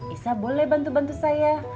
isa boleh bantu bantu saya